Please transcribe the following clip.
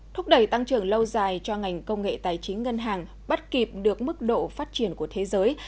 thúc đẩy tăng trưởng lâu dài cho ngành công nghệ tài chính ngân hàng bắt kịp được mức độ phát triển của thế giới